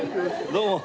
どうも。